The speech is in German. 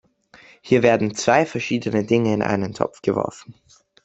Hier werden zwei verschiedene Dinge in einen Topf geworfen.